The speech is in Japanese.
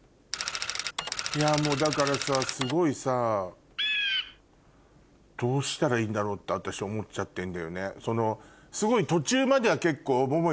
いやもうだからさすごいさどうしたらいいんだろう？って私思っちゃってんだよね。